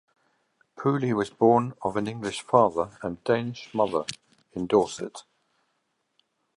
Pooley was born of an English father and Danish mother in Dorset.